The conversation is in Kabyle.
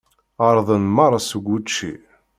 Ԑerḍen merra seg wučči.